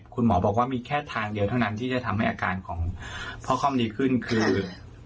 คุณหมอบอกว่ามีแค่ทางเดียวเท่านั้นที่จะทำให้อาการของพ่อค่อมดีขึ้นคือ